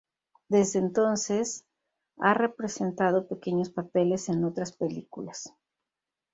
Desde entonces ha representado pequeños papeles en otras películas.